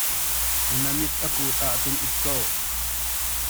Na mit a kuut ahcun it ko.